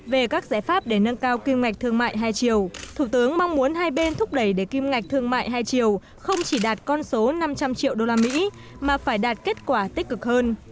về các giải pháp để nâng cao kim ngạch thương mại hai chiều thủ tướng mong muốn hai bên thúc đẩy để kim ngạch thương mại hai triệu không chỉ đạt con số năm trăm linh triệu usd mà phải đạt kết quả tích cực hơn